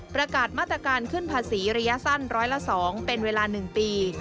ประกาศมาตรการขึ้นภาษีระยะสั้นร้อยละ๒เป็นเวลา๑ปี